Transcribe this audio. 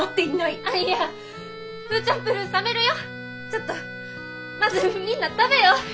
ちょっとまずみんな食べよう！